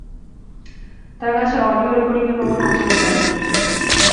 তার কাছে অডিয়ো রেকর্ডিংয়ের প্রমাণ আছে বলে দাবি করছে।